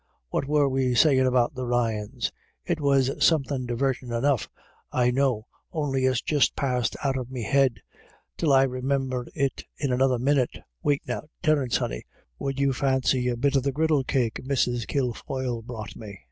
What were we sayin' about the Ryans ?• It was somethin' divartin' enough, I know, bn'y it's just passed out of me head, till I THUNDER IN THE AIR. 173 renumber it in another minnit — wait now — Terence honey, would you fancy a bit of the griddle cake Mrs. Kilfoyle brought me